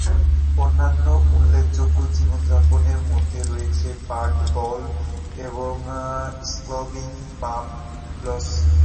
অন্যান্য উল্লেখযোগ্য বিজ্ঞাপনের মধ্যে রয়েছে "বাড বোল" এবং "স্ক্রাবিং বাবলস"।